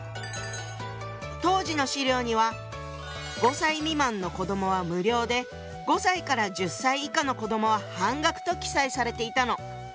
当時の資料には５歳未満の子どもは無料で５歳から１０歳以下の子どもは半額と記載されていたの。